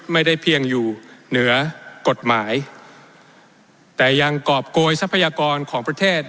ไม่ได้เพียงอยู่เหนือกฎหมายแต่ยังกรอบโกยทรัพยากรของประเทศ